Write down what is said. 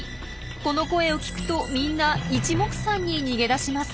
この声を聞くとみんないちもくさんに逃げ出します。